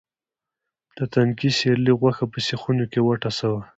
د تنکي سېرلي غوښه په سیخونو کې وټسوه.